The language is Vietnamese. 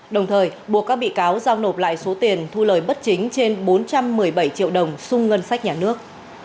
đồng thời buộc các bị cáo giao nộp lại số tiền thu lời bất chính trên bốn trăm một mươi bảy triệu đồng xung ngân sách nhà nước